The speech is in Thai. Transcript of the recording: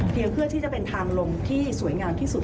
เดี๋ยวเพื่อที่จะเป็นทางลงที่สวยงามที่สุด